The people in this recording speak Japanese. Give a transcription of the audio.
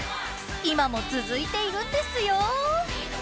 今も続いているんですよ！